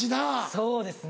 そうですね。